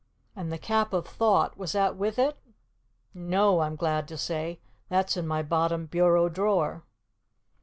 "And the Cap of Thought was that with it?" "No, I'm glad to say. That's in my bottom bureau drawer."